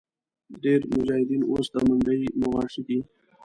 ډېری مجاهدین اوس د منډیي مواشي دي.